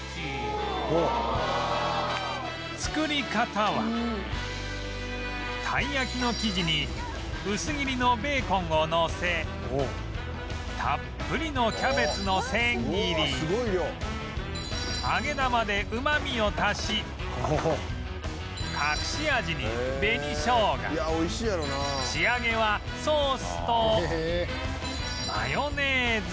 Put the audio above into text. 作り方はたい焼きの生地に薄切りのベーコンをのせたっぷりのキャベツの千切り揚げ玉でうまみを足し隠し味に紅生姜仕上げはソースとマヨネーズ